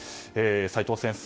齋藤先生